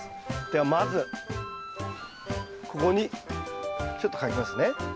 ではまずここにちょっと書きますね。